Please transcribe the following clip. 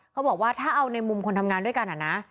เขาบอกว่าถ้าเอาในมุมคนทำงานด้วยกัน